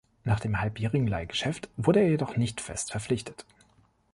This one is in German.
Nach dem halbjährigen Leihgeschäft wurde er jedoch nicht fest verpflichtet.